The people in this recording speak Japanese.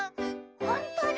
ほんとだ！